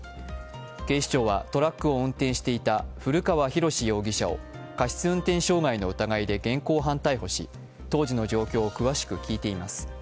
警視庁はトラックを運転していた古川浩容疑者を過失運転傷害の疑いで現行犯逮捕し、当時の状況を詳しく聞いています。